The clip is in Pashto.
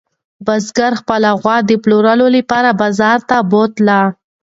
بزګر خپله غوا د پلورلو لپاره بازار ته بوتله.